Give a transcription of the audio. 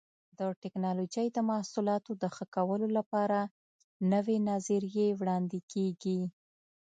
د ټېکنالوجۍ د محصولاتو د ښه کېدلو لپاره نوې نظریې وړاندې کېږي.